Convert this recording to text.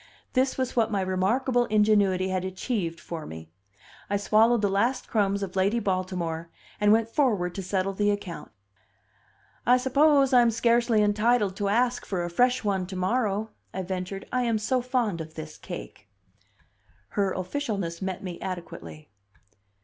This was what my remarkable ingenuity had achieved for me. I swallowed the last crumbs of Lady Baltimore, and went forward to settle the account. "I suppose I'm scarcely entitled to ask for a fresh one to morrow," I ventured. "I am so fond of this cake." Her officialness met me adequately.